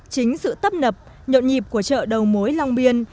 chính sự tấp nập nhộn nhịp của chợ đầu mối long biên